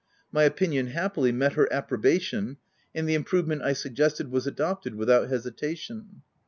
My opinion, happily, met her approbation, and the improve ment I suggested was adopted without hesitation.